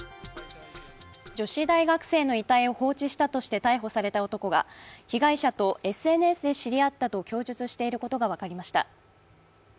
女子大学生の遺体を放置したとして逮捕された男が被害者とＳＮＳで知り合ったと供述していることが分かりました。